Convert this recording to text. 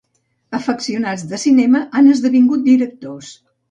Afeccionats de cinema, han esdevingut directors.